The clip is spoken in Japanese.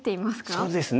そうですね。